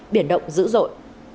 biển động dữ dội